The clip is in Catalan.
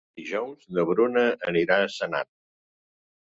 Dijous na Bruna anirà a Senan.